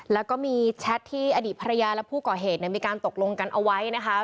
แล้วก็มีแชทที่อดีตภรรยาและผู้ก่อเหตุมีการตกลงกันเอาไว้นะคะ